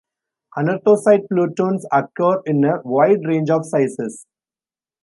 Anorthosite plutons occur in a wide range of sizes.